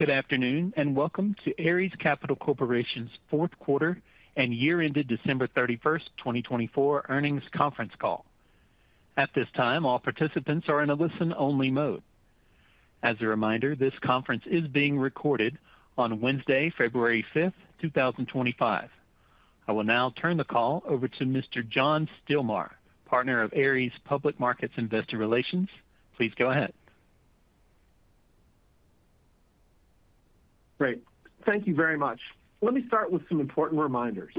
Good afternoon and welcome to Ares Capital Corporation's fourth quarter and year-ended December 31st, 2024 earnings conference call. At this time, all participants are in a listen-only mode. As a reminder, this conference is being recorded on Wednesday, February 5th, 2025. I will now turn the call over to Mr. John Stilmar, Partner of Ares Public Markets Investor Relations. Please go ahead. Great. Thank you very much. Let me start with some important reminders.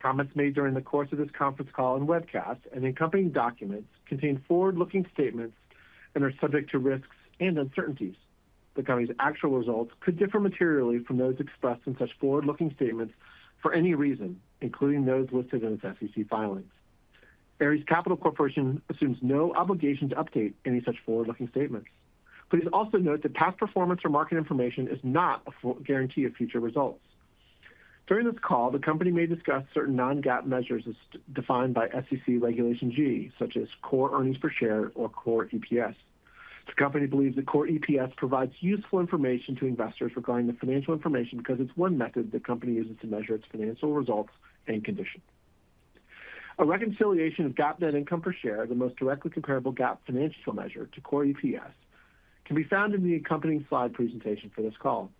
Comments made during the course of this conference call and webcast and the accompanying documents contain forward-looking statements and are subject to risks and uncertainties. The company's actual results could differ materially from those expressed in such forward-looking statements for any reason, including those listed in its SEC filings. Ares Capital Corporation assumes no obligation to update any such forward-looking statements. Please also note that past performance or market information is not a guarantee of future results. During this call, the company may discuss certain non-GAAP measures defined by SEC Regulation G, such as core earnings per share or core EPS. The company believes that core EPS provides useful information to investors regarding the financial information because it's one method the company uses to measure its financial results and condition. A reconciliation of GAAP net income per share, the most directly comparable GAAP financial measure to core EPS, can be found in the accompanying slide presentation for this call.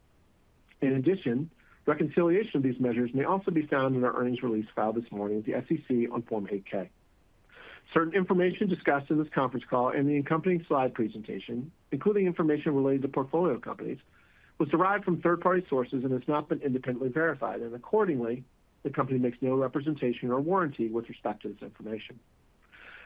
In addition, reconciliation of these measures may also be found in our earnings release filed this morning at the SEC on Form 8-K. Certain information discussed in this conference call and the accompanying slide presentation, including information related to portfolio companies, was derived from third-party sources and has not been independently verified, and accordingly, the company makes no representation or warranty with respect to this information.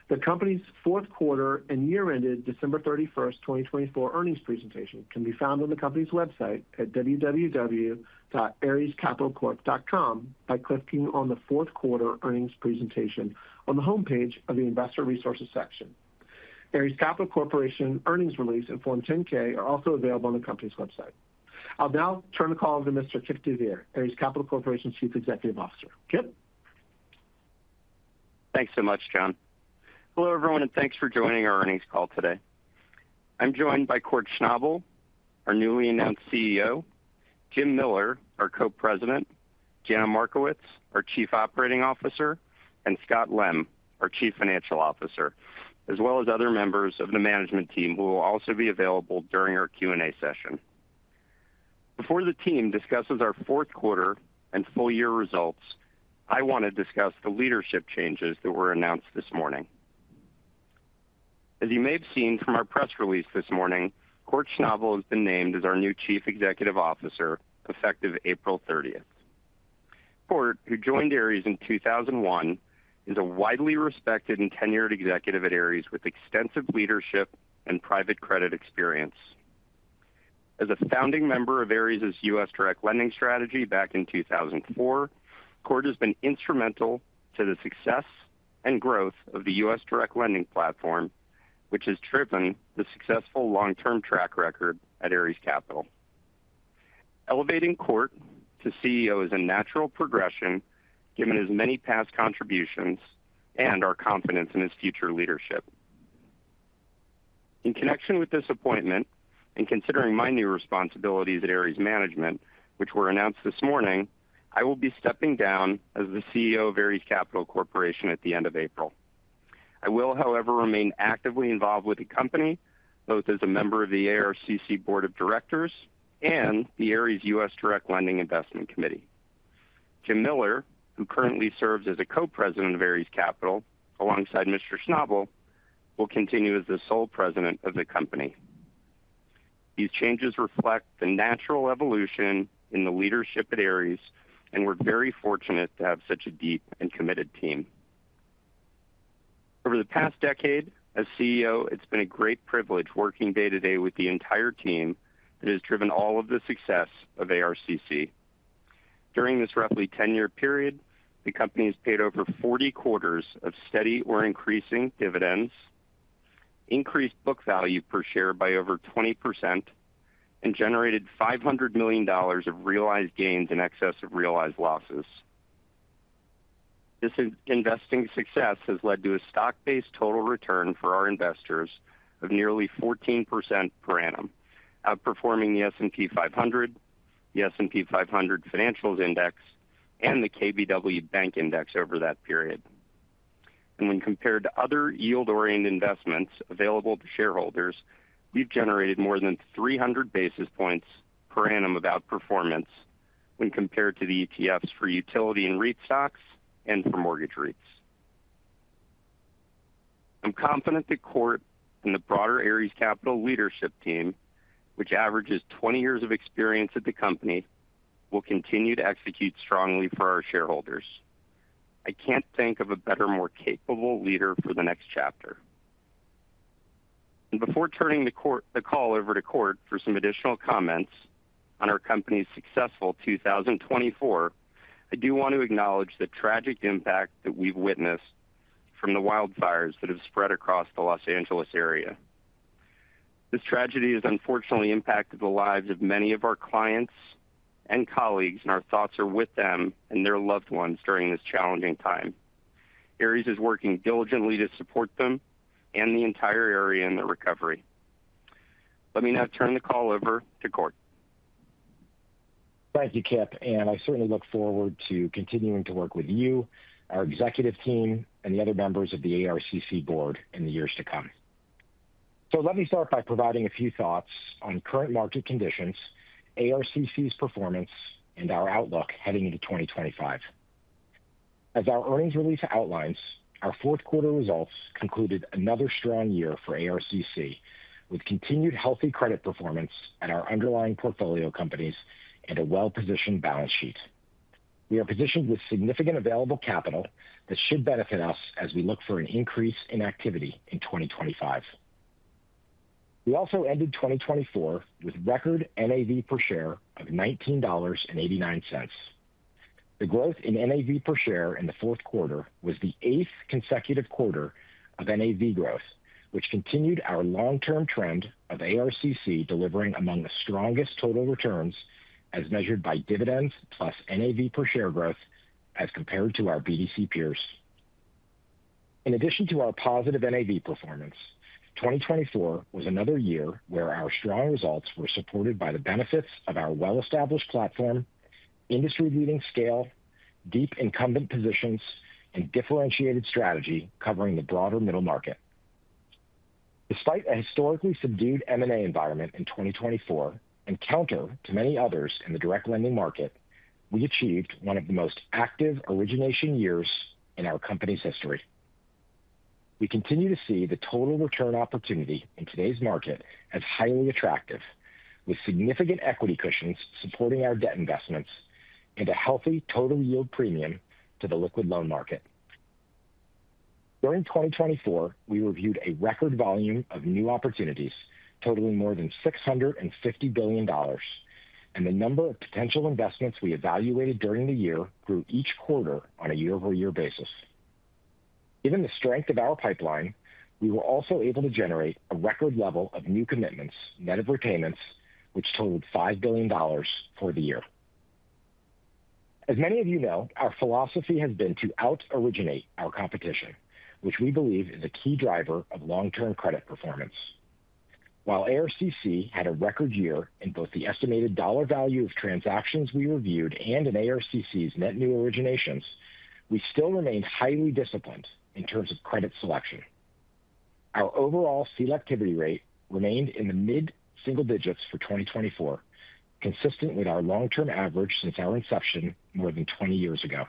The company's fourth quarter and year-ended December 31st, 2024 earnings presentation can be found on the company's website at www.arescapitalcorp.com by clicking on the fourth quarter earnings presentation on the homepage of the investor resources section. Ares Capital Corporation earnings release and Form 10-K are also available on the company's website. I'll now turn the call over to Mr. Kipp deVeer, Ares Capital Corporation's Chief Executive Officer. Kipp? Thanks so much, John. Hello, everyone, and thanks for joining our earnings call today. I'm joined by Kort Schnabel, our newly announced CEO, Jim Miller, our Co-President, Jana Markowicz, our Chief Operating Officer, and Scott Lem, our Chief Financial Officer, as well as other members of the management team who will also be available during our Q&A session. Before the team discusses our fourth quarter and full-year results, I want to discuss the leadership changes that were announced this morning. As you may have seen from our press release this morning, Kort Schnabel has been named as our new Chief Executive Officer effective April 30th. Kort, who joined Ares in 2001, is a widely respected and tenured executive at Ares with extensive leadership and private credit experience. As a founding member of Ares' U.S. Direct Lending strategy back in 2004, Kort has been instrumental to the success and growth of the U.S. direct lending platform, which has driven the successful long-term track record at Ares Capital. Elevating Kort to CEO is a natural progression given his many past contributions and our confidence in his future leadership. In connection with this appointment and considering my new responsibilities at Ares Management, which were announced this morning, I will be stepping down as the CEO of Ares Capital Corporation at the end of April. I will, however, remain actively involved with the company, both as a member of the ARCC Board of Directors and the Ares U.S. Direct Lending Investment Committee. Jim Miller, who currently serves as a Co-President of Ares Capital alongside Mr. Schnabel, will continue as the sole president of the company. These changes reflect the natural evolution in the leadership at Ares, and we're very fortunate to have such a deep and committed team. Over the past decade, as CEO, it's been a great privilege working day-to-day with the entire team that has driven all of the success of ARCC. During this roughly 10-year period, the company has paid over 40 quarters of steady or increasing dividends, increased book value per share by over 20%, and generated $500 million of realized gains in excess of realized losses. This investing success has led to a stock-based total return for our investors of nearly 14% per annum, outperforming the S&P 500, the S&P 500 Financials Index, and the KBW Bank Index over that period. When compared to other yield-oriented investments available to shareholders, we've generated more than 300 basis points per annum of outperformance when compared to the ETFs for utility and REIT stocks and for mortgage REITs. I'm confident that Kort and the broader Ares Capital leadership team, which averages 20 years of experience at the company, will continue to execute strongly for our shareholders. I can't think of a better, more capable leader for the next chapter. And before turning the call over to Kort for some additional comments on our company's successful 2024, I do want to acknowledge the tragic impact that we've witnessed from the wildfires that have spread across the Los Angeles area. This tragedy has unfortunately impacted the lives of many of our clients and colleagues, and our thoughts are with them and their loved ones during this challenging time. Ares is working diligently to support them and the entire area in the recovery. Let me now turn the call over to Kort. Thank you, Kipp, and I certainly look forward to continuing to work with you, our executive team, and the other members of the ARCC board in the years to come. So let me start by providing a few thoughts on current market conditions, ARCC's performance, and our outlook heading into 2025. As our earnings release outlines, our fourth quarter results concluded another strong year for ARCC, with continued healthy credit performance at our underlying portfolio companies and a well-positioned balance sheet. We are positioned with significant available capital that should benefit us as we look for an increase in activity in 2025. We also ended 2024 with record NAV per share of $19.89. The growth in NAV per share in the fourth quarter was the eighth consecutive quarter of NAV growth, which continued our long-term trend of ARCC delivering among the strongest total returns as measured by dividends plus NAV per share growth as compared to our BDC peers. In addition to our positive NAV performance, 2024 was another year where our strong results were supported by the benefits of our well-established platform, industry-leading scale, deep incumbent positions, and differentiated strategy covering the broader middle market. Despite a historically subdued M&A environment in 2024 and counter to many others in the direct lending market, we achieved one of the most active origination years in our company's history. We continue to see the total return opportunity in today's market as highly attractive, with significant equity cushions supporting our debt investments and a healthy total yield premium to the liquid loan market. During 2024, we reviewed a record volume of new opportunities totaling more than $650 billion, and the number of potential investments we evaluated during the year grew each quarter on a year-over-year basis. Given the strength of our pipeline, we were also able to generate a record level of new commitments, net of repayments, which totaled $5 billion for the year. As many of you know, our philosophy has been to out-originate our competition, which we believe is a key driver of long-term credit performance. While ARCC had a record year in both the estimated dollar value of transactions we reviewed and in ARCC's net new originations, we still remained highly disciplined in terms of credit selection. Our overall selectivity rate remained in the mid-single digits for 2024, consistent with our long-term average since our inception more than 20 years ago.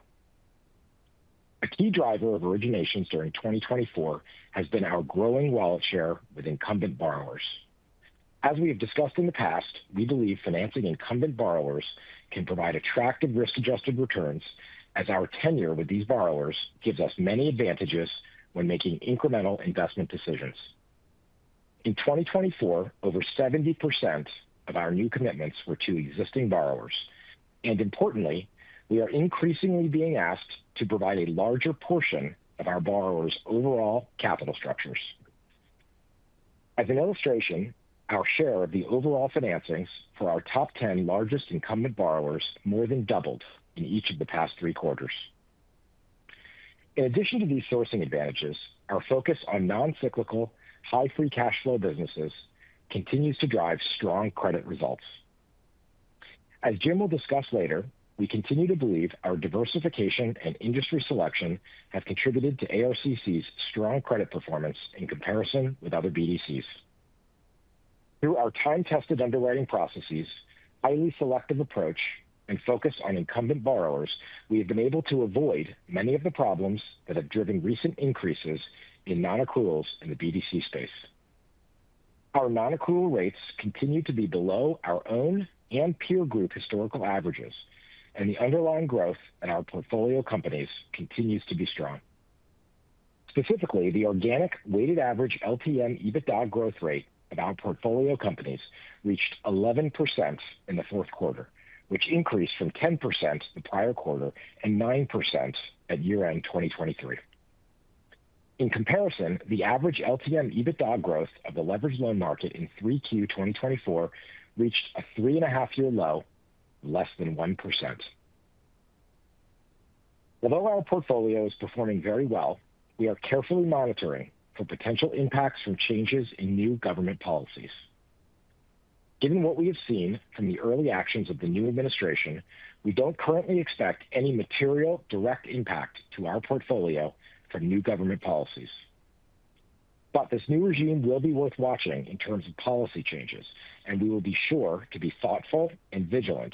A key driver of originations during 2024 has been our growing wallet share with incumbent borrowers. As we have discussed in the past, we believe financing incumbent borrowers can provide attractive risk-adjusted returns as our tenure with these borrowers gives us many advantages when making incremental investment decisions. In 2024, over 70% of our new commitments were to existing borrowers, and importantly, we are increasingly being asked to provide a larger portion of our borrowers' overall capital structures. As an illustration, our share of the overall financings for our top 10 largest incumbent borrowers more than doubled in each of the past three quarters. In addition to these sourcing advantages, our focus on non-cyclical, high-free cash flow businesses continues to drive strong credit results. As Jim will discuss later, we continue to believe our diversification and industry selection have contributed to ARCC's strong credit performance in comparison with other BDCs. Through our time-tested underwriting processes, highly selective approach, and focus on incumbent borrowers, we have been able to avoid many of the problems that have driven recent increases in non-accruals in the BDC space. Our non-accrual rates continue to be below our own and peer group historical averages, and the underlying growth at our portfolio companies continues to be strong. Specifically, the organic weighted average LTM EBITDA growth rate of our portfolio companies reached 11% in the fourth quarter, which increased from 10% the prior quarter and 9% at year-end 2023. In comparison, the average LTM EBITDA growth of the leveraged loan market in 3Q 2024 reached a three-and-a-half-year low of less than 1%. Although our portfolio is performing very well, we are carefully monitoring for potential impacts from changes in new government policies. Given what we have seen from the early actions of the new administration, we don't currently expect any material direct impact to our portfolio from new government policies, but this new regime will be worth watching in terms of policy changes, and we will be sure to be thoughtful and vigilant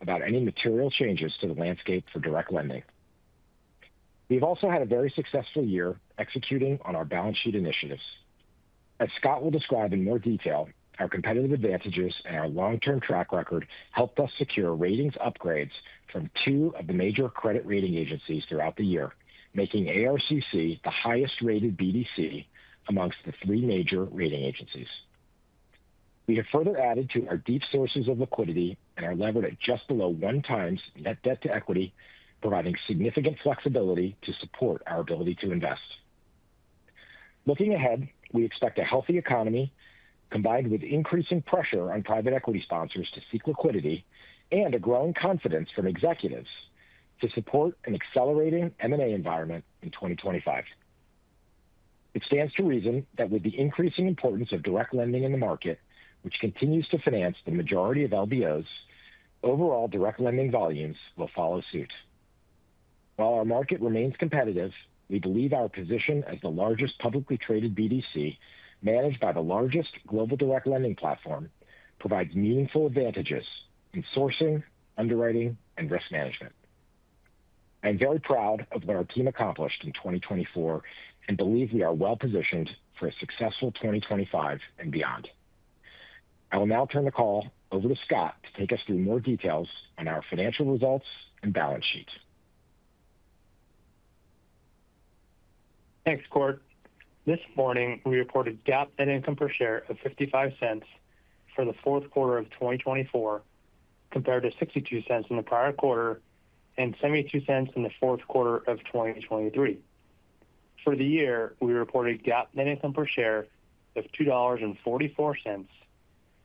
about any material changes to the landscape for direct lending. We have also had a very successful year executing on our balance sheet initiatives. As Scott will describe in more detail, our competitive advantages and our long-term track record helped us secure ratings upgrades from two of the major credit rating agencies throughout the year, making ARCC the highest-rated BDC amongst the three major rating agencies. We have further added to our deep sources of liquidity and our leverage at just below one times net debt to equity, providing significant flexibility to support our ability to invest. Looking ahead, we expect a healthy economy combined with increasing pressure on private equity sponsors to seek liquidity and a growing confidence from executives to support an accelerating M&A environment in 2025. It stands to reason that with the increasing importance of direct lending in the market, which continues to finance the majority of LBOs, overall direct lending volumes will follow suit. While our market remains competitive, we believe our position as the largest publicly traded BDC managed by the largest global direct lending platform provides meaningful advantages in sourcing, underwriting, and risk management. I am very proud of what our team accomplished in 2024 and believe we are well-positioned for a successful 2025 and beyond. I will now turn the call over to Scott to take us through more details on our financial results and balance sheet. Thanks, Kort. This morning, we reported a GAAP net income per share of $0.55 for the fourth quarter of 2024 compared to $0.62 in the prior quarter and $0.72 in the fourth quarter of 2023. For the year, we reported a GAAP net income per share of $2.44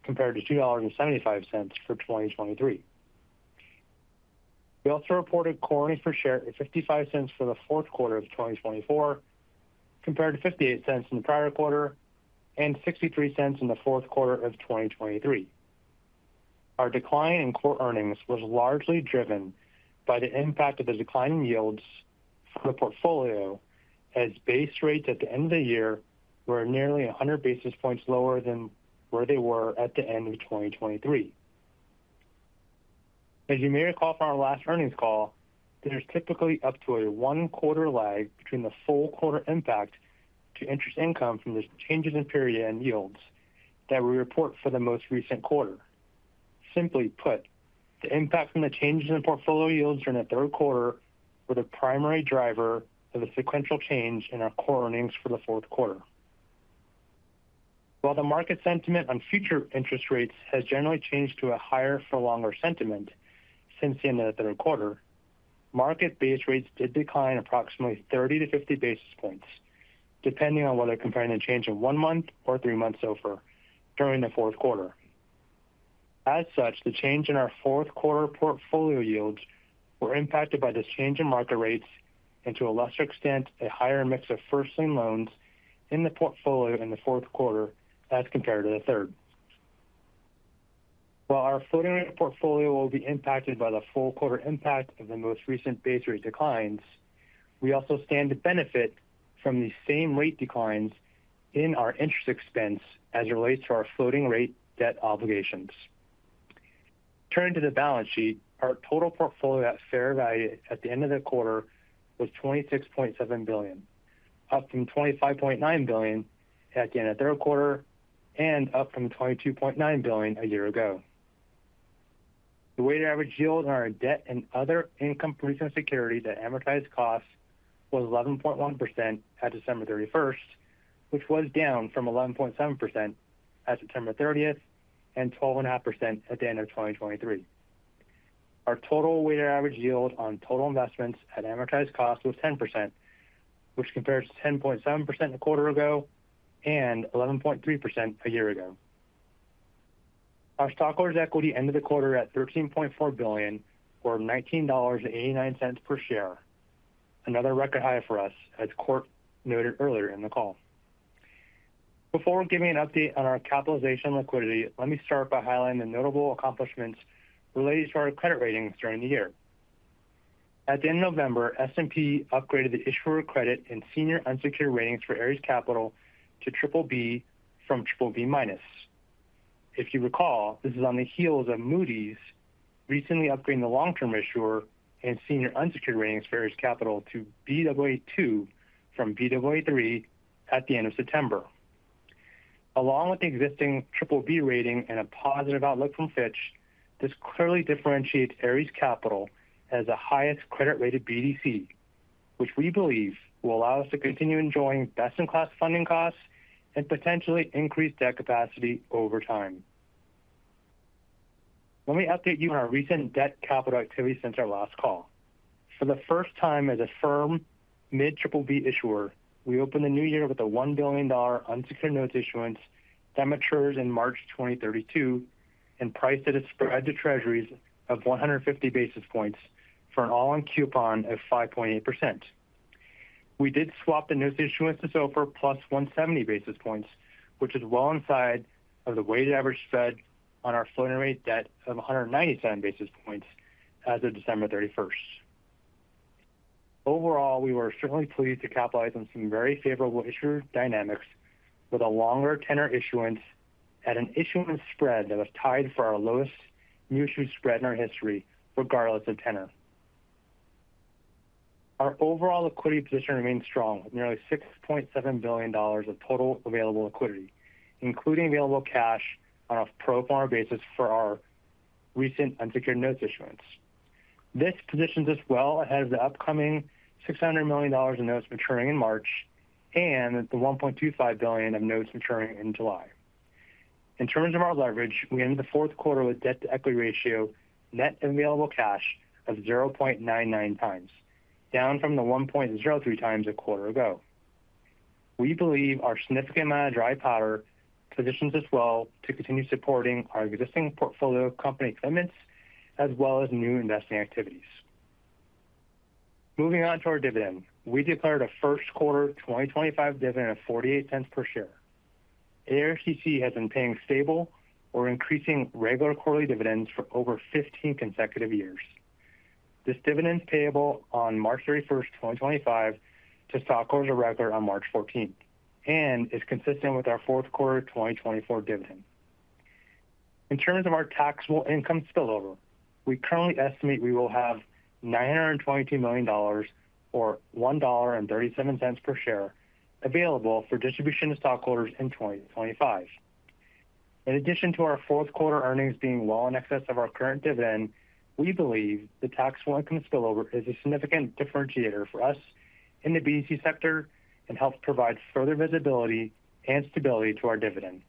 compared to $2.75 for 2023. We also reported a core earnings per share of $0.55 for the fourth quarter of 2024 compared to $0.58 in the prior quarter and $0.63 in the fourth quarter of 2023. Our decline in core earnings was largely driven by the impact of the declining yields for the portfolio, as base rates at the end of the year were nearly 100 basis points lower than where they were at the end of 2023. As you may recall from our last earnings call, there's typically up to a one quarter lag between the full quarter impact to interest income from the changes in SOFR yields that we report for the most recent quarter. Simply put, the impact from the changes in portfolio yields during the third quarter was the primary driver of the sequential change in our core earnings for the fourth quarter. While the market sentiment on future interest rates has generally changed to a higher-for-longer sentiment since the end of the third quarter, market base rates did decline approximately 30 basis points-50 basis points, depending on whether comparing the change in one month or three month SOFR during the fourth quarter. As such, the change in our fourth quarter portfolio yields was impacted by this change in market rates and, to a lesser extent, a higher mix of first-lien loans in the portfolio in the fourth quarter as compared to the third. While our floating rate portfolio will be impacted by the full quarter impact of the most recent base rate declines, we also stand to benefit from the same rate declines in our interest expense as it relates to our floating rate debt obligations. Turning to the balance sheet, our total portfolio at fair value at the end of the quarter was $26.7 billion, up from $25.9 billion at the end of the third quarter and up from $22.9 billion a year ago. The weighted average yield on our debt and other income-producing securities at amortized costs was 11.1% at December 31st, which was down from 11.7% at September 30th and 12.5% at the end of 2023. Our total weighted average yield on total investments at amortized costs was 10%, which compares to 10.7% a quarter ago and 11.3% a year ago. Our stockholders' equity ended the quarter at $13.4 billion, or $19.89 per share, another record high for us, as Kort noted earlier in the call. Before we're giving an update on our capitalization and liquidity, let me start by highlighting the notable accomplishments related to our credit ratings during the year. At the end of November, S&P upgraded the issuer credit and senior unsecured ratings for Ares Capital to triple B from triple B minus. If you recall, this is on the heels of Moody's recently upgrading the long-term issuer and senior unsecured ratings for Ares Capital to Baa2 from Baa3 at the end of September. Along with the existing triple B rating and a positive outlook from Fitch, this clearly differentiates Ares Capital as the highest credit-rated BDC, which we believe will allow us to continue enjoying best-in-class funding costs and potentially increase debt capacity over time. Let me update you on our recent debt capital activity since our last call. For the first time as a firm mid-triple B issuer, we opened the new year with a $1 billion unsecured notes issuance that matures in March 2032 and priced at a spread to treasuries of 150 basis points for an all-in coupon of 5.8%. We did swap the notes issuance to SOFR plus 170 basis points, which is well inside of the weighted average spread on our floating rate debt of 197 basis points as of December 31st. Overall, we were certainly pleased to capitalize on some very favorable issuer dynamics with a longer tenor issuance at an issuance spread that was tied for our lowest new issue spread in our history, regardless of tenor. Our overall liquidity position remained strong with nearly $6.7 billion of total available liquidity, including available cash on a pro forma basis for our recent unsecured notes issuance. This positions us well ahead of the upcoming $600 million of notes maturing in March and the $1.25 billion of notes maturing in July. In terms of our leverage, we ended the fourth quarter with a debt-to-equity ratio, net of available cash, of 0.99x, down from the 1.03x a quarter ago. We believe our significant amount of dry powder positions us well to continue supporting our existing portfolio company commitments as well as new investing activities. Moving on to our dividend, we declared a first quarter 2025 dividend of $0.48 per share. ARCC has been paying stable or increasing regular quarterly dividends for over 15 consecutive years. This dividend is payable on March 31st, 2025, to stockholders of record on March 14th, 2025, and is consistent with our fourth quarter 2024 dividend. In terms of our taxable income spillover, we currently estimate we will have $922 million, or $1.37 per share, available for distribution to stockholders in 2025. In addition to our fourth quarter earnings being well in excess of our current dividend, we believe the taxable income spillover is a significant differentiator for us in the BDC sector and helps provide further visibility and stability to our dividend.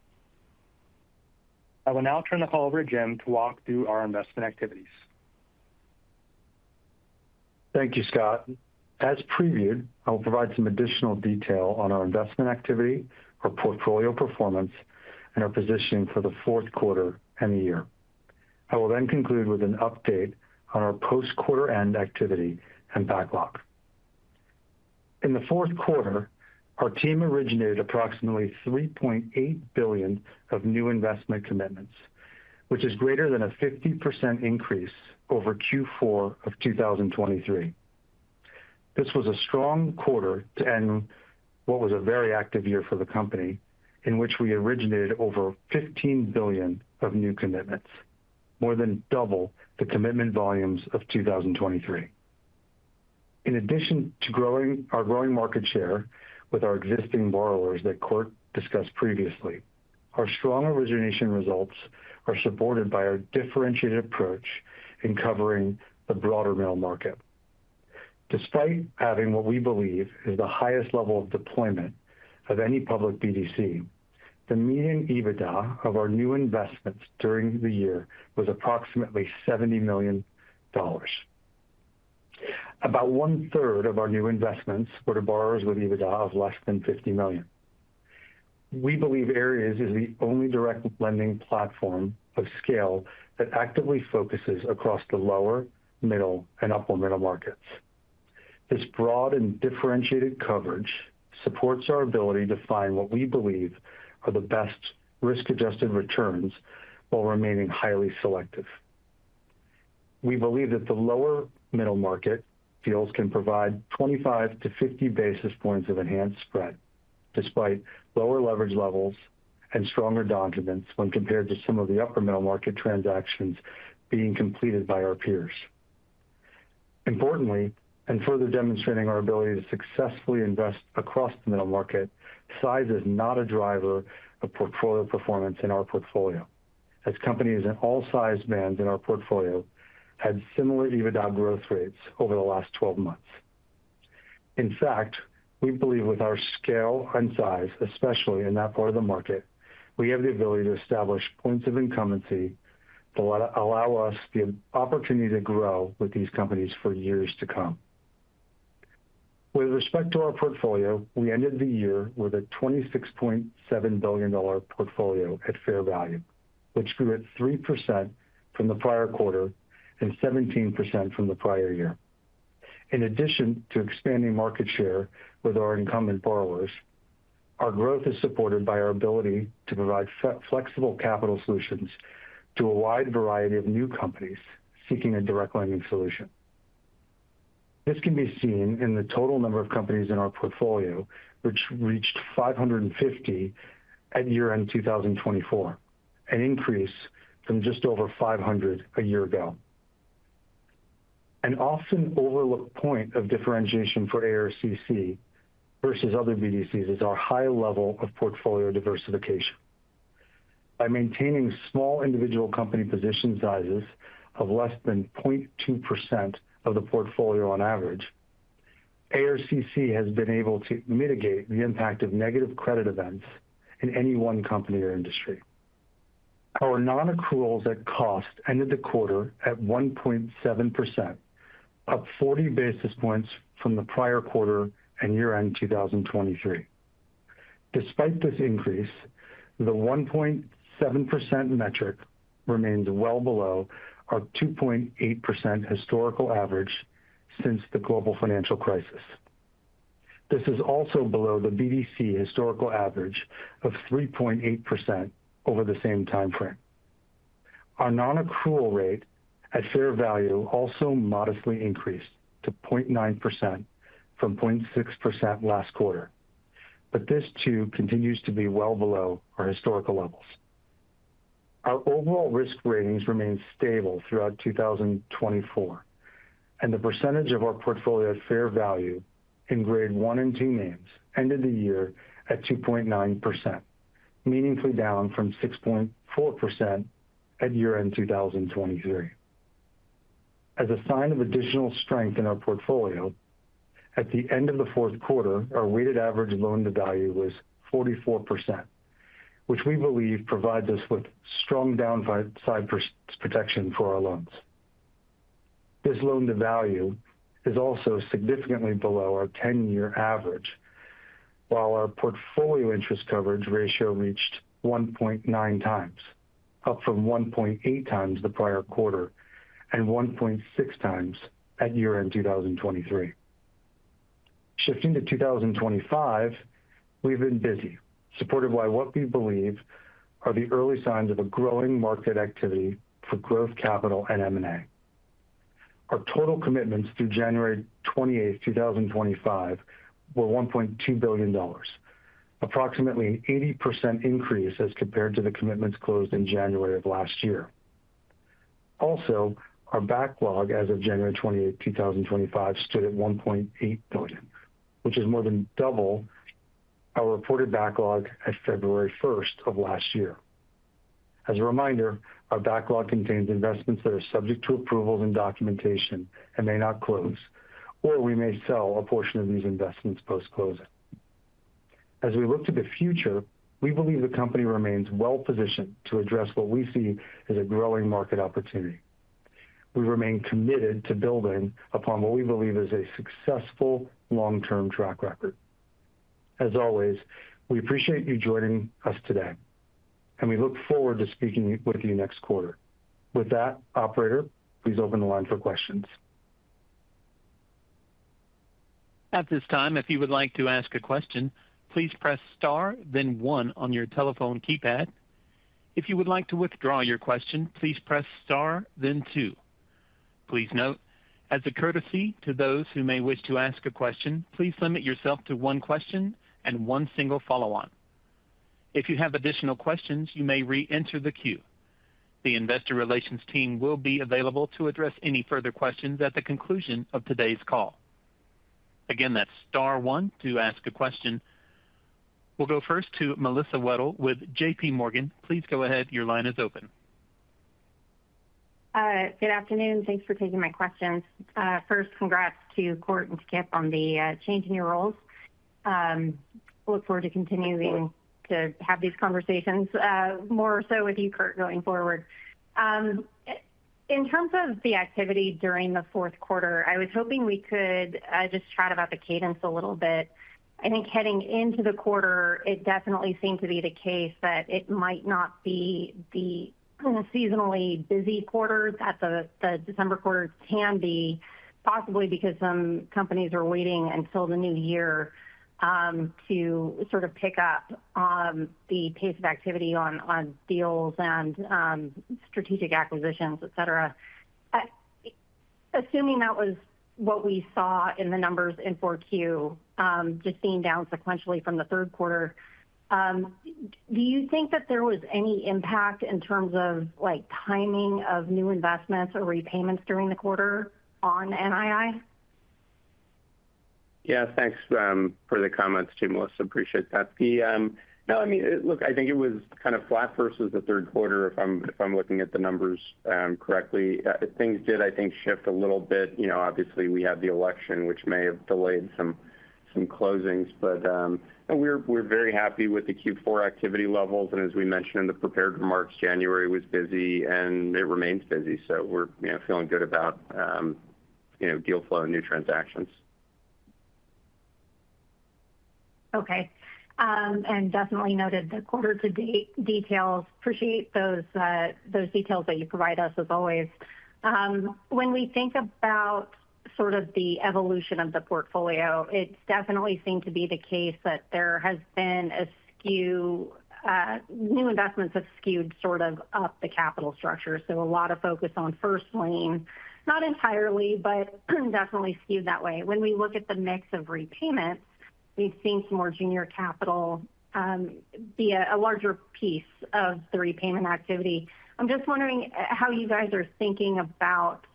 I will now turn the call over to Jim to walk through our investment activities. Thank you, Scott. As previewed, I will provide some additional detail on our investment activity, our portfolio performance, and our position for the fourth quarter and the year. I will then conclude with an update on our post-quarter-end activity and backlog. In the fourth quarter, our team originated approximately $3.8 billion of new investment commitments, which is greater than a 50% increase over Q4 of 2023. This was a strong quarter to end what was a very active year for the company, in which we originated over $15 billion of new commitments, more than double the commitment volumes of 2023. In addition to our growing market share with our existing borrowers that Kort discussed previously, our strong origination results are supported by our differentiated approach in covering the broader middle market. Despite having what we believe is the highest level of deployment of any public BDC, the median EBITDA of our new investments during the year was approximately $70 million. About 1/3 of our new investments were to borrowers with EBITDA of less than $50 million. We believe Ares is the only direct lending platform of scale that actively focuses across the lower, middle, and upper middle markets. This broad and differentiated coverage supports our ability to find what we believe are the best risk-adjusted returns while remaining highly selective. We believe that the lower middle market deals can provide 25 basis points-50 basis points of enhanced spread, despite lower leverage levels and stronger donor demands when compared to some of the upper middle market transactions being completed by our peers. Importantly, and further demonstrating our ability to successfully invest across the middle market, size is not a driver of portfolio performance in our portfolio, as companies in all size bands in our portfolio had similar EBITDA growth rates over the last 12 months. In fact, we believe with our scale and size, especially in that part of the market, we have the ability to establish points of incumbency that will allow us the opportunity to grow with these companies for years to come. With respect to our portfolio, we ended the year with a $26.7 billion portfolio at fair value, which grew at 3% from the prior quarter and 17% from the prior year. In addition to expanding market share with our incumbent borrowers, our growth is supported by our ability to provide flexible capital solutions to a wide variety of new companies seeking a direct lending solution. This can be seen in the total number of companies in our portfolio, which reached 550 at year-end 2024, an increase from just over 500 a year ago. An often overlooked point of differentiation for ARCC versus other BDCs is our high level of portfolio diversification. By maintaining small individual company position sizes of less than 0.2% of the portfolio on average, ARCC has been able to mitigate the impact of negative credit events in any one company or industry. Our non-accruals at cost ended the quarter at 1.7%, up 40 basis points from the prior quarter and year-end 2023. Despite this increase, the 1.7% metric remains well below our 2.8% historical average since the global financial crisis. This is also below the BDC historical average of 3.8% over the same timeframe. Our non-accrual rate at fair value also modestly increased to 0.9% from 0.6% last quarter, but this too continues to be well below our historical levels. Our overall risk ratings remained stable throughout 2024, and the percentage of our portfolio at fair value in grade one and two names ended the year at 2.9%, meaningfully down from 6.4% at year-end 2023. As a sign of additional strength in our portfolio, at the end of the fourth quarter, our weighted average loan-to-value was 44%, which we believe provides us with strong downside protection for our loans. This loan-to-value is also significantly below our 10-year average, while our portfolio interest coverage ratio reached 1.9x, up from 1.8x the prior quarter and 1.6x at year-end 2023. Shifting to 2025, we've been busy, supported by what we believe are the early signs of a growing market activity for growth capital and M&A. Our total commitments through January 28th, 2025, were $1.2 billion, approximately an 80% increase as compared to the commitments closed in January of last year. Also, our backlog as of January 28th, 2025, stood at $1.8 billion, which is more than double our reported backlog at February 1st of last year. As a reminder, our backlog contains investments that are subject to approvals and documentation and may not close, or we may sell a portion of these investments post-closing. As we look to the future, we believe the company remains well-positioned to address what we see as a growing market opportunity. We remain committed to building upon what we believe is a successful long-term track record. As always, we appreciate you joining us today, and we look forward to speaking with you next quarter. With that, Operator, please open the line for questions. At this time, if you would like to ask a question, please press Star, then 1 on your telephone keypad. If you would like to withdraw your question, please press Star, then 2. Please note, as a courtesy to those who may wish to ask a question, please limit yourself to one question and one single follow-on. If you have additional questions, you may re-enter the queue. The investor relations team will be available to address any further questions at the conclusion of today's call. Again, that's Star, 1, to ask a question. We'll go first to Melissa Wedel with JPMorgan. Please go ahead. Your line is open. Good afternoon. Thanks for taking my questions. First, congrats to Kort and to Kipp on the change in your roles. Look forward to continuing to have these conversations, more so with you, Kort, going forward. In terms of the activity during the fourth quarter, I was hoping we could just chat about the cadence a little bit. I think heading into the quarter, it definitely seemed to be the case that it might not be the seasonally busy quarter that the December quarter can be, possibly because some companies are waiting until the new year to sort of pick up the pace of activity on deals and strategic acquisitions, et cetera. Assuming that was what we saw in the numbers in 4Q, just seeing down sequentially from the third quarter, do you think that there was any impact in terms of timing of new investments or repayments during the quarter on NII? Yeah, thanks for the comments too, Melissa. Appreciate that. No, I mean, look, I think it was kind of flat versus the third quarter, if I'm looking at the numbers correctly. Things did, I think, shift a little bit. Obviously, we had the election, which may have delayed some closings, but we're very happy with the Q4 activity levels. And as we mentioned in the prepared remarks, January was busy, and it remains busy. So we're feeling good about deal flow and new transactions. Okay, and definitely noted the quarter-to-date details. Appreciate those details that you provide us, as always. When we think about sort of the evolution of the portfolio, it definitely seemed to be the case that there has been a skew, new investments have skewed sort of up the capital structure. So a lot of focus on first lien, not entirely, but definitely skewed that way. When we look at the mix of repayments, we've seen some more junior capital be a larger piece of the repayment activity. I'm just wondering how you guys are thinking about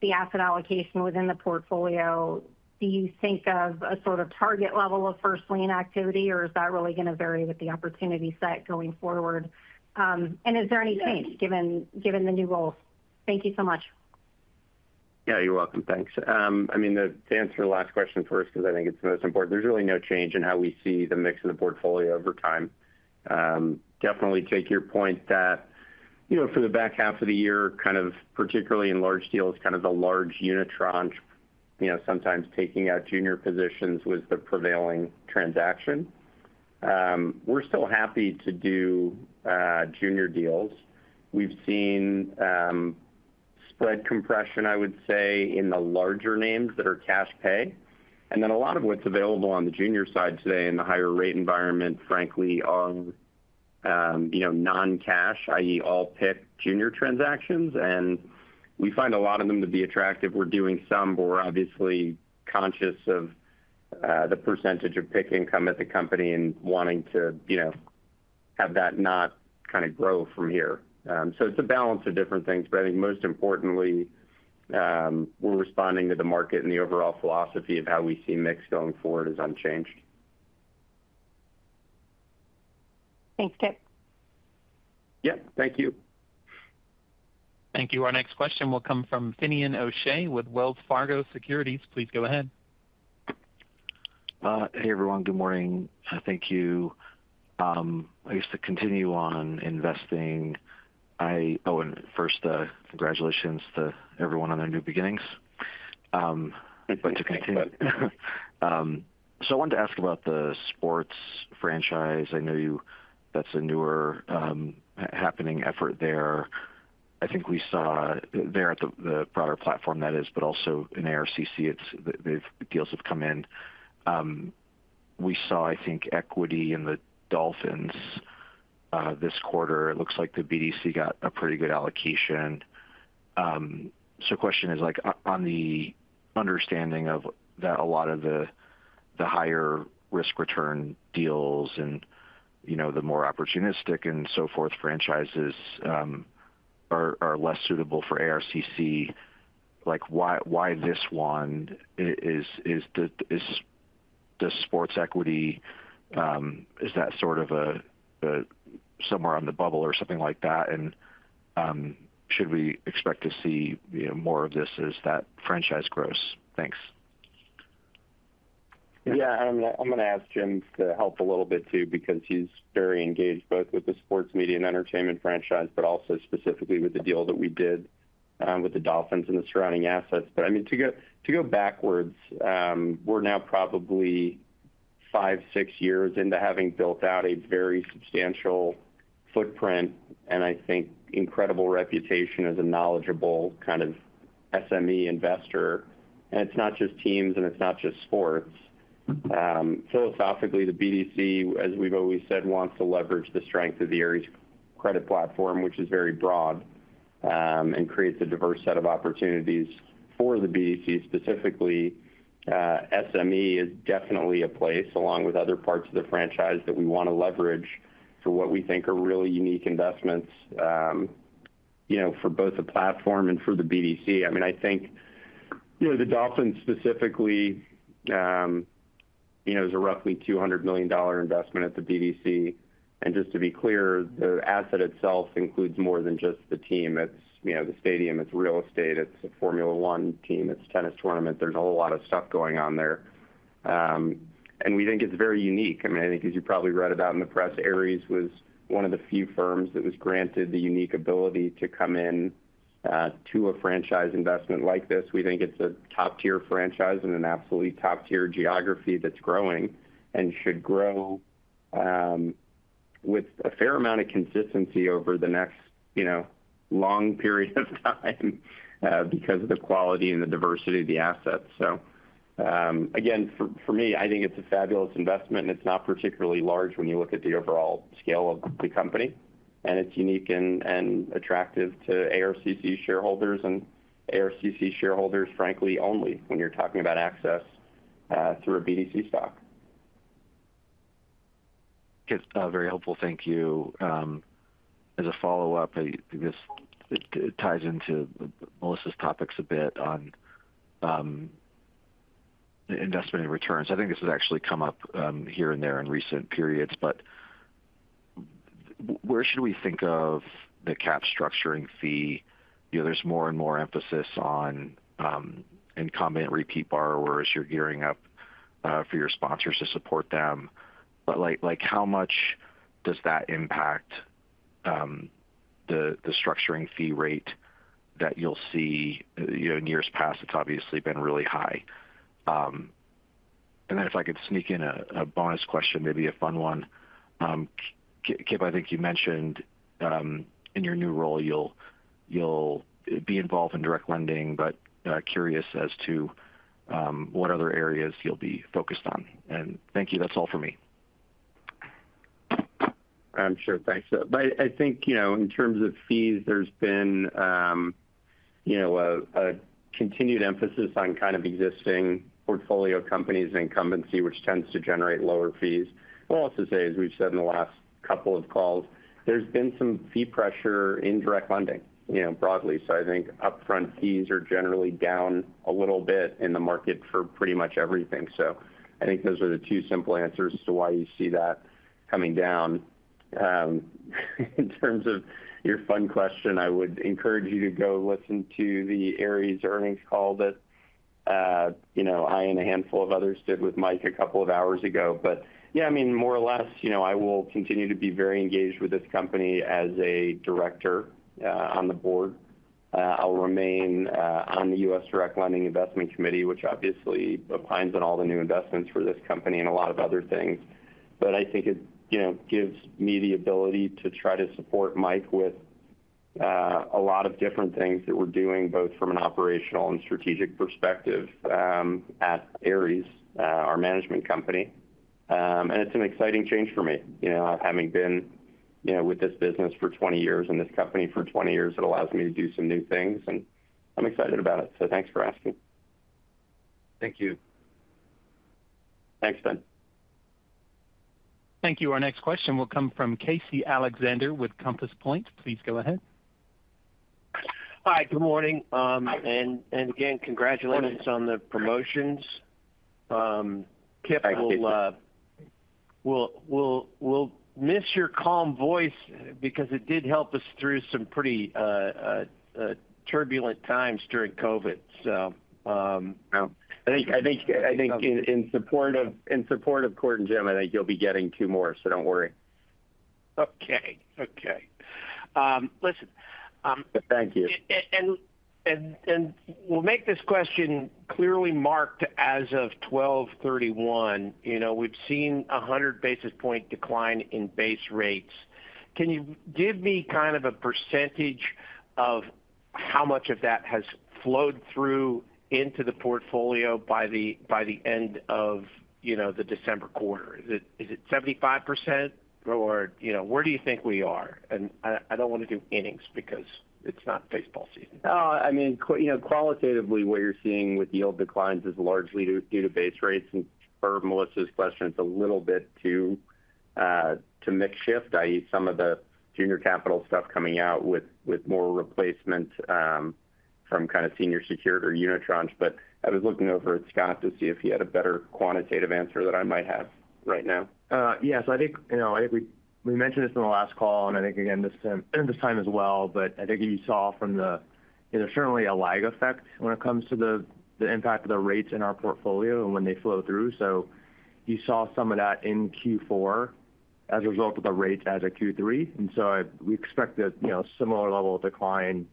the asset allocation within the portfolio. Do you think of a sort of target level of first lien activity, or is that really going to vary with the opportunity set going forward, and is there any change given the new roles? Thank you so much. Yeah, you're welcome. Thanks. I mean, to answer the last question first, because I think it's the most important, there's really no change in how we see the mix in the portfolio over time. Definitely take your point that for the back half of the year, kind of particularly in large deals, kind of the large unit tranche, sometimes taking out junior positions was the prevailing transaction. We're still happy to do junior deals. We've seen spread compression, I would say, in the larger names that are cash pay. And then a lot of what's available on the junior side today in the higher rate environment, frankly, are non-cash, i.e., all PIK junior transactions. And we find a lot of them to be attractive. We're doing some, but we're obviously conscious of the percentage of PIK income at the company and wanting to have that not kind of grow from here. So it's a balance of different things, but I think most importantly, we're responding to the market and the overall philosophy of how we see mix going forward is unchanged. Thanks, Kipp. Yeah, thank you. Thank you. Our next question will come from Finian O'Shea with Wells Fargo Securities. Please go ahead. Hey, everyone. Good morning. Thank you. I guess to continue on investing, and first, congratulations to everyone on their new beginnings. Thank you. But to continue, so I wanted to ask about the sports franchise. I know that's a newer happening effort there. I think we saw there at the broader platform that is, but also in ARCC, deals have come in. We saw, I think, equity in the Dolphins this quarter. It looks like the BDC got a pretty good allocation. So the question is, on the understanding of that, a lot of the higher risk return deals and the more opportunistic and so forth franchises are less suitable for ARCC, why this one is the sports equity? Is that sort of somewhere on the bubble or something like that? And should we expect to see more of this as that franchise grows? Thanks. Yeah, I'm going to ask Jim to help a little bit too, because he's very engaged both with the sports media and entertainment franchise, but also specifically with the deal that we did with the Dolphins and the surrounding assets. But I mean, to go backwards, we're now probably five, six years into having built out a very substantial footprint and, I think, incredible reputation as a knowledgeable kind of SME investor. And it's not just teams and it's not just sports. Philosophically, the BDC, as we've always said, wants to leverage the strength of the Ares Credit Platform, which is very broad and creates a diverse set of opportunities for the BDC. Specifically, SME is definitely a place, along with other parts of the franchise, that we want to leverage for what we think are really unique investments for both the platform and for the BDC. I mean, I think the Dolphins specifically is a roughly $200 million investment at the BDC, and just to be clear, the asset itself includes more than just the team. It's the stadium, it's real estate, it's a Formula 1 team, it's tennis tournament. There's a whole lot of stuff going on there, and we think it's very unique. I mean, I think, as you probably read about in the press, Ares was one of the few firms that was granted the unique ability to come into a franchise investment like this. We think it's a top-tier franchise and an absolutely top-tier geography that's growing and should grow with a fair amount of consistency over the next long period of time because of the quality and the diversity of the assets. So again, for me, I think it's a fabulous investment, and it's not particularly large when you look at the overall scale of the company. And it's unique and attractive to ARCC shareholders and ARCC shareholders, frankly, only when you're talking about access through a BDC stock. Kipp, very helpful. Thank you. As a follow-up, this ties into Melissa's topics a bit on investment and returns. I think this has actually come up here and there in recent periods, but where should we think of the capital structuring fee? There's more and more emphasis on incumbent repeat borrowers. You're gearing up for your sponsors to support them. But how much does that impact the structuring fee rate that you'll see in years past? It's obviously been really high. And then if I could sneak in a bonus question, maybe a fun one. Kip, I think you mentioned in your new role, you'll be involved in direct lending, but curious as to what other areas you'll be focused on. And thank you. That's all for me. I'm sure. Thanks. But I think in terms of fees, there's been a continued emphasis on kind of existing portfolio companies and incumbency, which tends to generate lower fees. We'll also say, as we've said in the last couple of calls, there's been some fee pressure in direct lending broadly. So I think upfront fees are generally down a little bit in the market for pretty much everything. So I think those are the two simple answers to why you see that coming down. In terms of your fun question, I would encourage you to go listen to the Ares earnings call that I and a handful of others did with Mike a couple of hours ago. But yeah, I mean, more or less, I will continue to be very engaged with this company as a director on the board. I'll remain on the U.S. Direct Lending Investment Committee, which obviously opines on all the new investments for this company and a lot of other things, but I think it gives me the ability to try to support Mike with a lot of different things that we're doing, both from an operational and strategic perspective at Ares, our management company, and it's an exciting change for me. Having been with this business for 20 years and this company for 20 years, it allows me to do some new things, and I'm excited about it, so thanks for asking. Thank you. Thanks, Fin. Thank you. Our next question will come from Casey Alexander with Compass Point. Please go ahead. Hi, good morning. And again, congratulations on the promotions. Kipp, we'll miss your calm voice because it did help us through some pretty turbulent times during COVID. I think in support of Kort and Jim, I think you'll be getting two more, so don't worry. Okay. Okay. Listen. Thank you. We'll make this question clearly marked as of 12/31. We've seen a 100 basis points decline in base rates. Can you give me kind of a percentage of how much of that has flowed through into the portfolio by the end of the December quarter? Is it 75%? Or where do you think we are? And I don't want to do innings because it's not baseball season. Oh, I mean, qualitatively, what you're seeing with yield declines is largely due to base rates. And for Melissa's question, it's a little bit too makeshift, i.e., some of the junior capital stuff coming out with more replacement from kind of senior security or unit tranche. But I was looking over at Scott to see if he had a better quantitative answer than I might have right now. Yes. I think we mentioned this in the last call, and I think, again, this time as well, but I think you saw that there's certainly a lag effect when it comes to the impact of the rates in our portfolio and when they flow through, so you saw some of that in Q4 as a result of the rates as of Q3, and so we expect a similar level of decline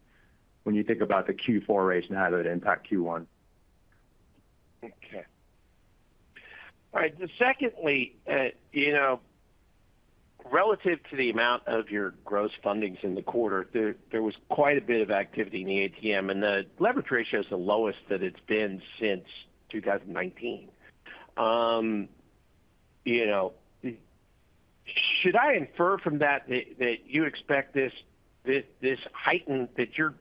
when you think about the Q4 rates and how that impact Q1. Okay. All right. Secondly, relative to the amount of your gross fundings in the quarter, there was quite a bit of activity in the ATM, and the leverage ratio is the lowest that it's been since 2019. Should I infer from that that you expect this heightened that you're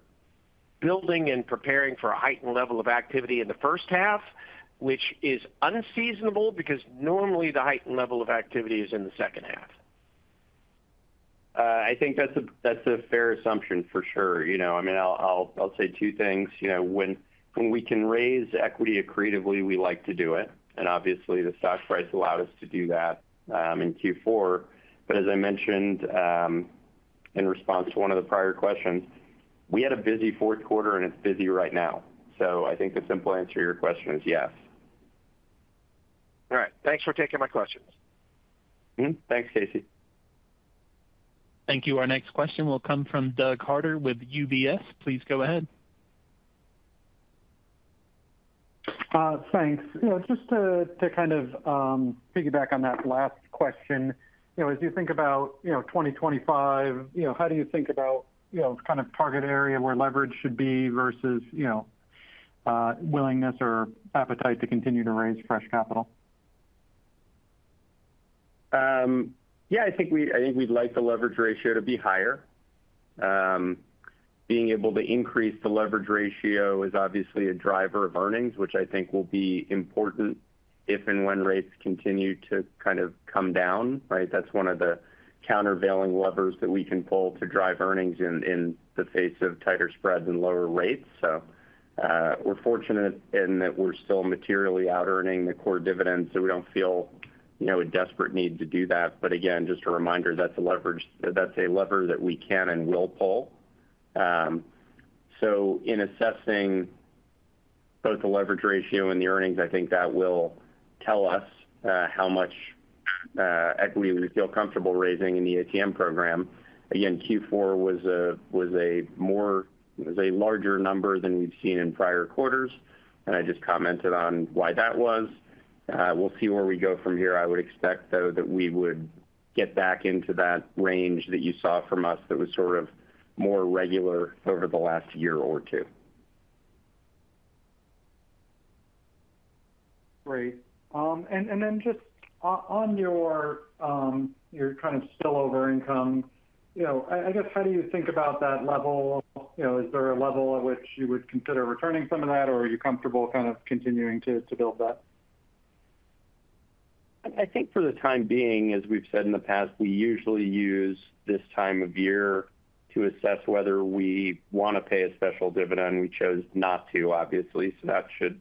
building and preparing for a heightened level of activity in the first half, which is unseasonable because normally the heightened level of activity is in the second half? I think that's a fair assumption for sure. I mean, I'll say two things. When we can raise equity accretively, we like to do it, and obviously, the stock price allowed us to do that in Q4, but as I mentioned in response to one of the prior questions, we had a busy fourth quarter, and it's busy right now, so I think the simple answer to your question is yes. All right. Thanks for taking my questions. Thanks, Casey. Thank you. Our next question will come from Doug Harter with UBS. Please go ahead. Thanks. Just to kind of piggyback on that last question, as you think about 2025, how do you think about kind of target area where leverage should be versus willingness or appetite to continue to raise fresh capital? Yeah, I think we'd like the leverage ratio to be higher. Being able to increase the leverage ratio is obviously a driver of earnings, which I think will be important if and when rates continue to kind of come down. Right? That's one of the countervailing levers that we can pull to drive earnings in the face of tighter spreads and lower rates, so we're fortunate in that we're still materially out-earning the core dividend, so we don't feel a desperate need to do that, but again, just a reminder, that's a lever that we can and will pull, so in assessing both the leverage ratio and the earnings, I think that will tell us how much equity we feel comfortable raising in the ATM program. Again, Q4 was a larger number than we've seen in prior quarters, and I just commented on why that was. We'll see where we go from here. I would expect, though, that we would get back into that range that you saw from us that was sort of more regular over the last year or two. Great. And then just on your kind of Spillover Income, I guess, how do you think about that level? Is there a level at which you would consider returning some of that, or are you comfortable kind of continuing to build that? I think for the time being, as we've said in the past, we usually use this time of year to assess whether we want to pay a special dividend. We chose not to, obviously. So that should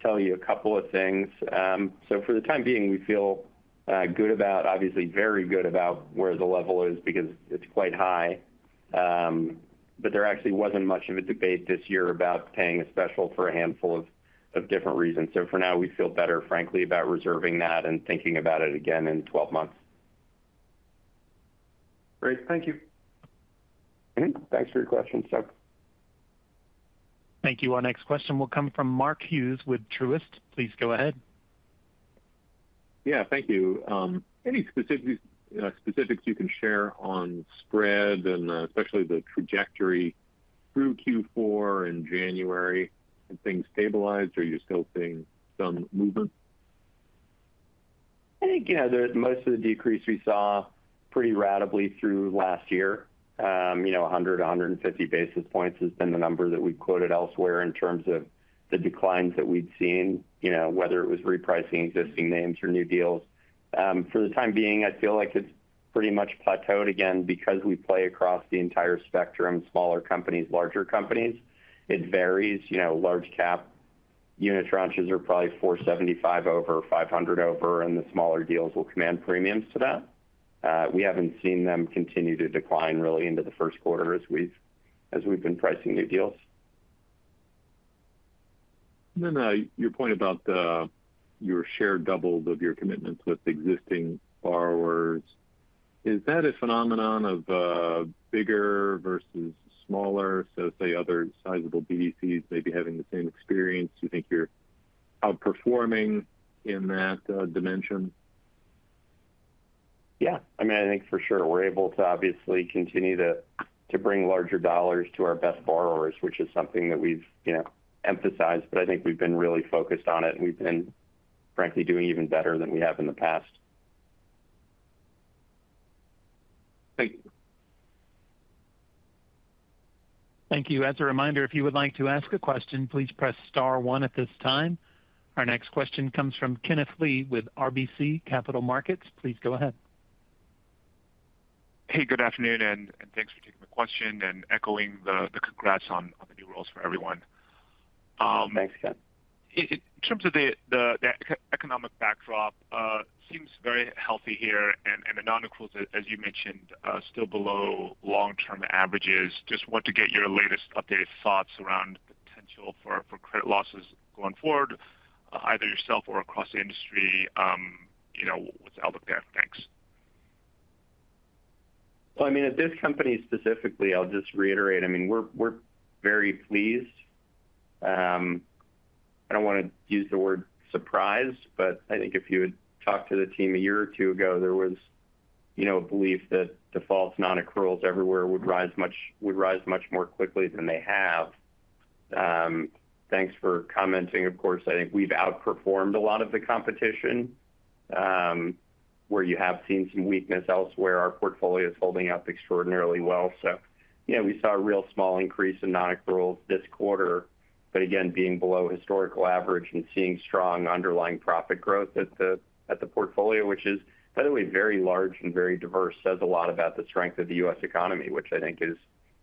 tell you a couple of things. So for the time being, we feel good about, obviously, very good about where the level is because it's quite high. But there actually wasn't much of a debate this year about paying a special for a handful of different reasons. So for now, we feel better, frankly, about reserving that and thinking about it again in 12 months. Great. Thank you. Thanks for your question, Doug. Thank you. Our next question will come from Mark Hughes with Truist. Please go ahead. Yeah. Thank you. Any specifics you can share on spread and especially the trajectory through Q4 in January? Have things stabilized, or are you still seeing some movement? I think, yeah, most of the decrease we saw pretty radically through last year. 100 basis points, 150 basis points has been the number that we've quoted elsewhere in terms of the declines that we've seen, whether it was repricing existing names or new deals. For the time being, I feel like it's pretty much plateaued again because we play across the entire spectrum, smaller companies, larger companies. It varies. Large cap unit tranches are probably 475 over, 500 over, and the smaller deals will command premiums to that. We haven't seen them continue to decline really into the first quarter as we've been pricing new deals. And then your point about your share doubled of your commitments with existing borrowers, is that a phenomenon of bigger versus smaller? So, say, other sizable BDCs may be having the same experience. Do you think you're outperforming in that dimension? Yeah. I mean, I think for sure we're able to obviously continue to bring larger dollars to our best borrowers, which is something that we've emphasized. But I think we've been really focused on it, and we've been, frankly, doing even better than we have in the past. Thank you. Thank you. As a reminder, if you would like to ask a question, please press star one at this time. Our next question comes from Kenneth Lee with RBC Capital Markets. Please go ahead. Hey, good afternoon, and thanks for taking my question and echoing the congrats on the new rules for everyone. Thanks, Ken. In terms of the economic backdrop, it seems very healthy here, and the non-accruals, as you mentioned, are still below long-term averages. Just want to get your latest updated thoughts around the potential for credit losses going forward, either yourself or across the industry. What's the outlook there? Thanks. I mean, at this company specifically, I'll just reiterate. I mean, we're very pleased. I don't want to use the word surprised, but I think if you had talked to the team a year or two ago, there was a belief that defaults, non-accruals everywhere would rise much more quickly than they have. Thanks for commenting. Of course, I think we've outperformed a lot of the competition where you have seen some weakness elsewhere. Our portfolio is holding up extraordinarily well. So we saw a real small increase in non-accruals this quarter, but again, being below historical average and seeing strong underlying profit growth at the portfolio, which is, by the way, very large and very diverse, says a lot about the strength of the U.S. economy, which I think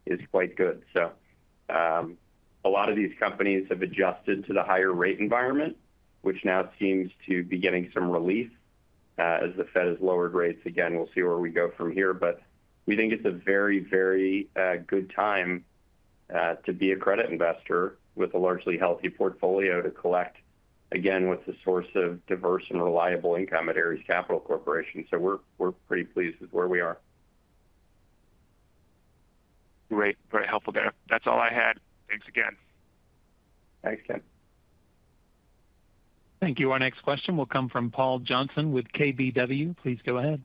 is quite good. A lot of these companies have adjusted to the higher rate environment, which now seems to be getting some relief as the Fed has lowered rates. Again, we'll see where we go from here. But we think it's a very, very good time to be a credit investor with a largely healthy portfolio to collect, again, what's the source of diverse and reliable income at Ares Capital Corporation. We're pretty pleased with where we are. Great. Very helpful there. That's all I had. Thanks again. Thanks, Ken. Thank you. Our next question will come from Paul Johnson with KBW. Please go ahead.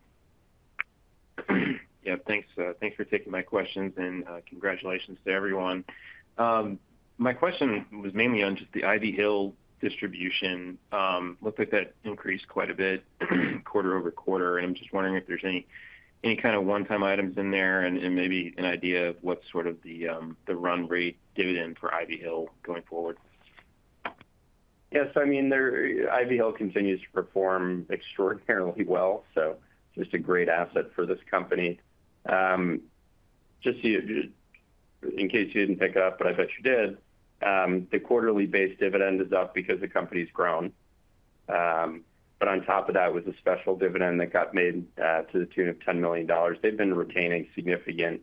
Yeah. Thanks for taking my questions, and congratulations to everyone. My question was mainly on just the Ivy Hill distribution. Looked like that increased quite a bit quarter-over-quarter, and I'm just wondering if there's any kind of one-time items in there and maybe an idea of what's sort of the run rate dividend for Ivy Hill going forward. Yes. I mean, Ivy Hill continues to perform extraordinarily well. So it's just a great asset for this company. Just in case you didn't pick up, but I bet you did, the quarterly base dividend is up because the company's grown. But on top of that, with the special dividend that got made to the tune of $10 million, they've been retaining significant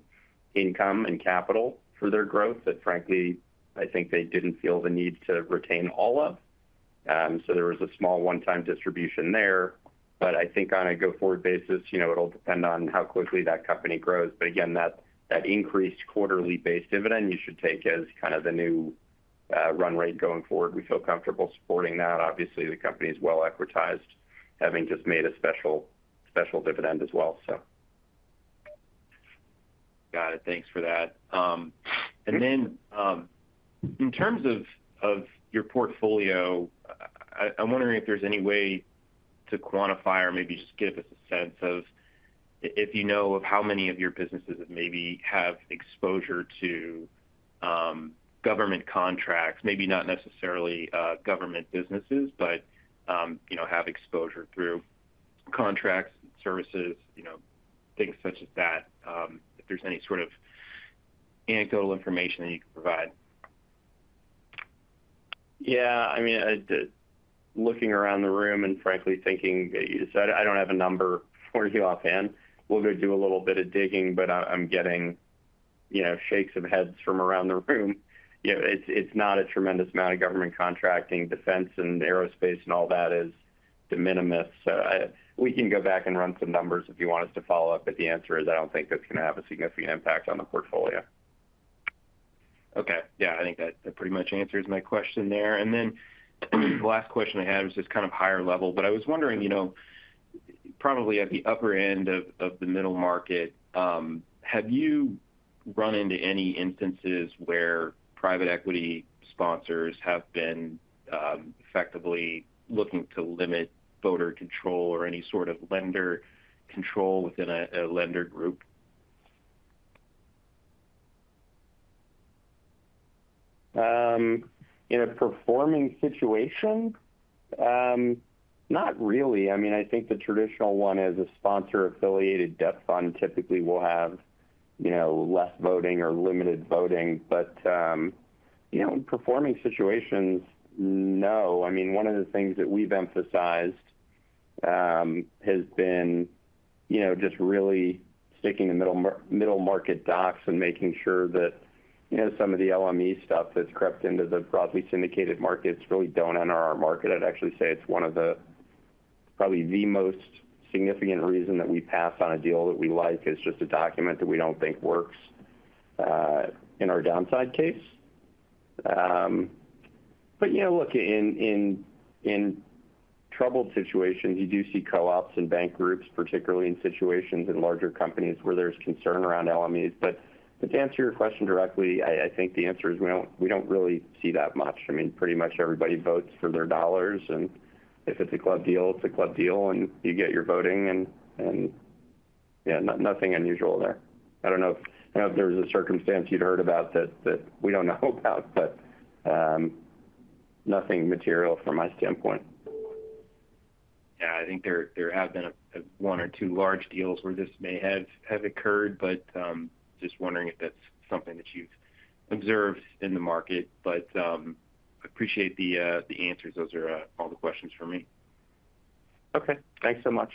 income and capital for their growth that, frankly, I think they didn't feel the need to retain all of. So there was a small one-time distribution there. But I think on a go-forward basis, it'll depend on how quickly that company grows. But again, that increased quarterly base dividend, you should take as kind of the new run rate going forward. We feel comfortable supporting that. Obviously, the company is well equitized, having just made a special dividend as well, so. Got it. Thanks for that. And then in terms of your portfolio, I'm wondering if there's any way to quantify or maybe just give us a sense of if you know of how many of your businesses that maybe have exposure to government contracts, maybe not necessarily government businesses, but have exposure through contracts, services, things such as that, if there's any sort of anecdotal information that you can provide. Yeah. I mean, looking around the room and frankly thinking that you decided I don't have a number for you offhand. We'll go do a little bit of digging, but I'm getting shakes of heads from around the room. It's not a tremendous amount of government contracting. Defense and aerospace and all that is de minimis. So we can go back and run some numbers if you want us to follow up. But the answer is I don't think that's going to have a significant impact on the portfolio. Okay. Yeah. I think that pretty much answers my question there. And then the last question I had was just kind of higher level. But I was wondering, probably at the upper end of the middle market, have you run into any instances where private equity sponsors have been effectively looking to limit voter control or any sort of lender control within a lender group? In a performing situation, not really. I mean, I think the traditional one is a sponsor-affiliated debt fund typically will have less voting or limited voting. But in performing situations, no. I mean, one of the things that we've emphasized has been just really sticking the middle market docs and making sure that some of the LME stuff that's crept into the broadly syndicated markets really don't enter our market. I'd actually say it's one of the probably the most significant reason that we pass on a deal that we like is just a document that we don't think works in our downside case. But look, in troubled situations, you do see co-ops and bank groups, particularly in situations in larger companies where there's concern around LMEs. But to answer your question directly, I think the answer is we don't really see that much. I mean, pretty much everybody votes for their dollars, and if it's a club deal, it's a club deal, and you get your voting, and yeah, nothing unusual there. I don't know if there was a circumstance you'd heard about that we don't know about, but nothing material from my standpoint. Yeah. I think there have been one or two large deals where this may have occurred, but just wondering if that's something that you've observed in the market. But I appreciate the answers. Those are all the questions for me. Okay. Thanks so much.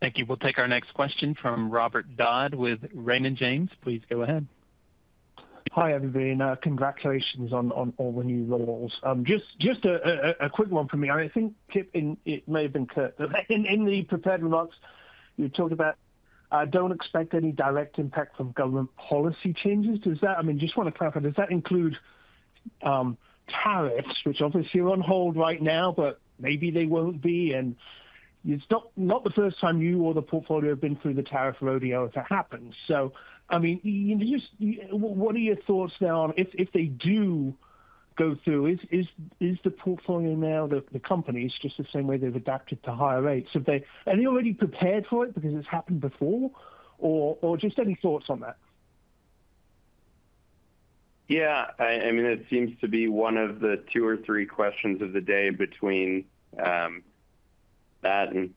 Thank you. We'll take our next question from Robert Dodd with Raymond James. Please go ahead. Hi, everybody. Congratulations on all the new rules. Just a quick one for me. I think it may have been in the prepared remarks. You talked about don't expect any direct impact from government policy changes. I mean, just want to clarify, does that include tariffs, which obviously are on hold right now, but maybe they won't be? And it's not the first time you or the portfolio have been through the tariff rodeo if it happens. So I mean, what are your thoughts now if they do go through? Is the portfolio now, the company, it's just the same way they've adapted to higher rates? Are they already prepared for it because it's happened before, or just any thoughts on that? Yeah. I mean, it seems to be one of the two or three questions of the day between that and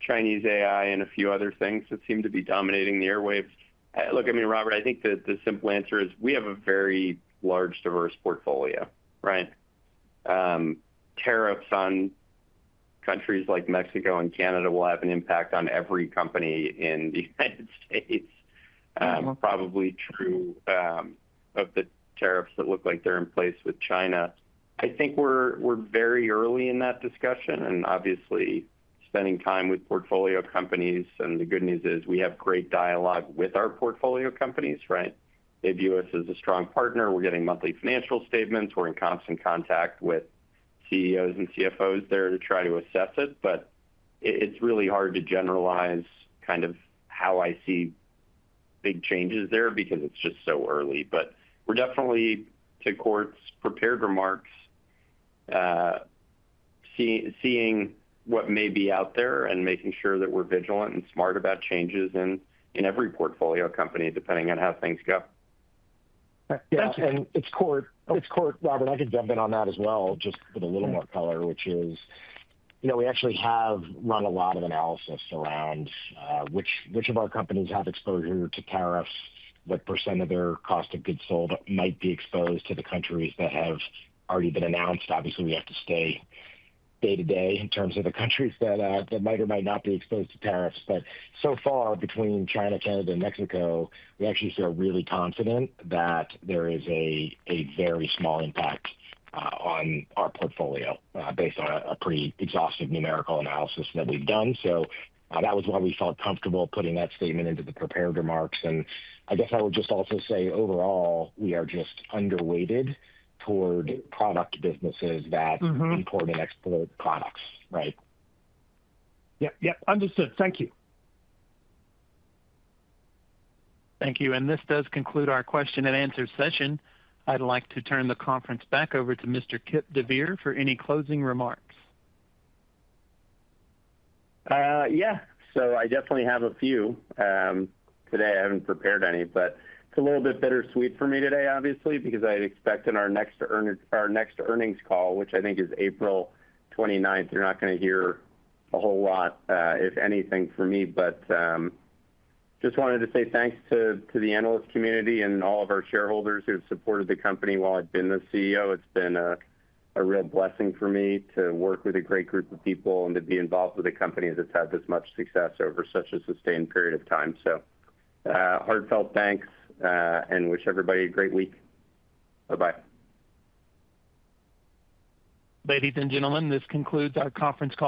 Chinese AI and a few other things that seem to be dominating the airwaves. Look, I mean, Robert, I think the simple answer is we have a very large, diverse portfolio, right? Tariffs on countries like Mexico and Canada will have an impact on every company in the United States, probably true of the tariffs that look like they're in place with China. I think we're very early in that discussion and obviously spending time with portfolio companies. And the good news is we have great dialogue with our portfolio companies, right? They view us as a strong partner. We're getting monthly financial statements. We're in constant contact with CEOs and CFOs there to try to assess it. But it's really hard to generalize kind of how I see big changes there because it's just so early. But we're definitely, to Kort's prepared remarks, seeing what may be out there and making sure that we're vigilant and smart about changes in every portfolio company depending on how things go. Thanks. And it's Kort. Robert, I can jump in on that as well, just with a little more color, which is we actually have run a lot of analysis around which of our companies have exposure to tariffs, what percent of their cost of goods sold might be exposed to the countries that have already been announced. Obviously, we have to stay day-to-day in terms of the countries that might or might not be exposed to tariffs. But so far, between China, Canada, and Mexico, we actually feel really confident that there is a very small impact on our portfolio based on a pretty exhaustive numerical analysis that we've done. So that was why we felt comfortable putting that statement into the prepared remarks. And I guess I would just also say overall, we are just underweighted toward product businesses that import and export products, right? Yep. Yep. Understood. Thank you. Thank you. And this does conclude our question-and-answer session. I'd like to turn the conference back over to Mr. Kipp deVeer for any closing remarks. Yeah. So I definitely have a few. Today, I haven't prepared any, but it's a little bit bittersweet for me today, obviously, because I expect in our next earnings call, which I think is April 29th, you're not going to hear a whole lot, if anything, from me. But just wanted to say thanks to the analyst community and all of our shareholders who have supported the company while I've been the CEO. It's been a real blessing for me to work with a great group of people and to be involved with a company that's had this much success over such a sustained period of time. So heartfelt thanks and wish everybody a great week. Bye-bye. Ladies and gentlemen, this concludes our conference call.